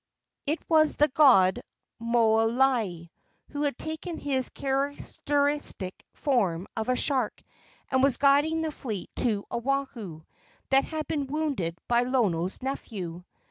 It was the god Moaalii, who had taken his characteristic form of a shark and was guiding the fleet to Oahu, that had been wounded by Lono's nephew.